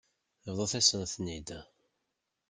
Bḍut-asen-ten-id.